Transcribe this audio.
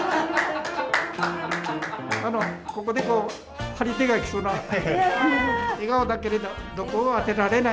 あのここでこう張り手が来そうな。